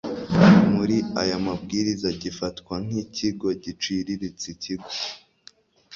Muri aya mabwiriza gifatwa nk ikigo giciriritse ikigo